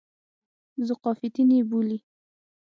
ذوقافیتین یې بولي.